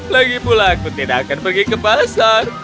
lagi pula aku tidak akan pergi ke pasar